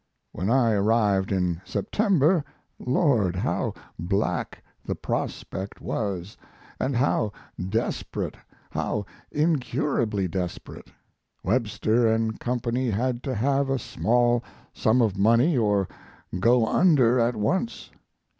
When I arrived in September, Lord! how black the prospect was & how desperate, how incurably desperate! Webster & Co. had to have a small sum of money or go under at once.